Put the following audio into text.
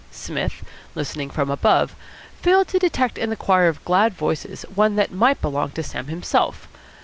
Psmith, listening from above, failed to detect in the choir of glad voices one that might belong to Sam himself.